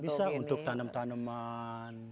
bisa untuk tanam tanaman